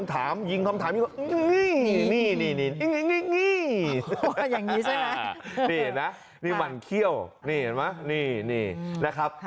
หมอบีครับเชิญยังค่ะ